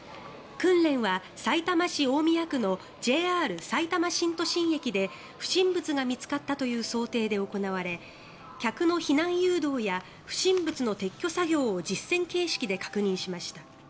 訓練はさいたま市大宮区のＪＲさいたま新都心駅で不審物が見つかったという想定で行われ客の避難誘導や不審物の撤去作業を実践形式で確認しました。